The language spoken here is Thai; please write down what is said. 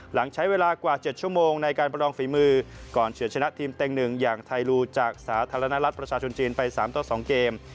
หลังใช้เวลากว่า๗ชั่วโมงในการประลองฝีมือก่อนเฉินชนะทีมเต็ง๑อย่างไทยลูจากสาธารณรัฐประชาชนจีนไป๓ต่อ๒เกม